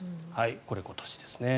これ、今年ですね。